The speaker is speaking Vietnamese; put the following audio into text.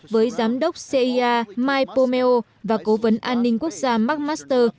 với giám đốc cia mike pomeo và cố vấn an ninh quốc gia mark master